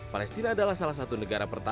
palestina adalah salah satu negara pertama